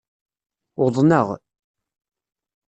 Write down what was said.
Uḍnaɣ.